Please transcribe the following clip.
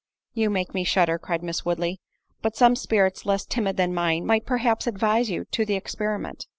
"You make me shudder," cried Miss Woodley; "but some spirits less timid than mine, might perhaps advise you to the experiment."